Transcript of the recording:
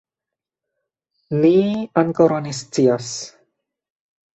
Ni ankoraŭ ne scias